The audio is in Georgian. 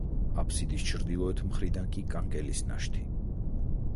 აფსიდის ჩრდილოეთ მხართან კი, კანკელის ნაშთი.